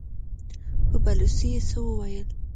په بلوڅي يې څه وويل!